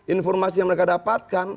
informasi yang mereka dapatkan